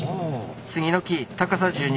杉の木高さ１２ｍ。